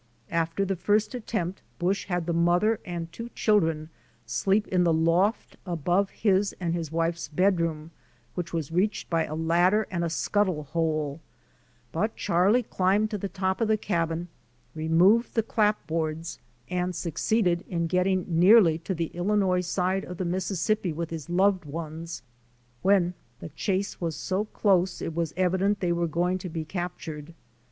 After the first attempt Busch had the mother and two children sleep in the loft above his and his wife's bedroom, which was reached by a ladder and a scuttle hole, but Charlie climbed to the top of the cabin, removed the clapboards and succeeded in getting nearly to the Illinois side of the Mississippi with his loved ones when the chase was so close it was evident they were going to be captured.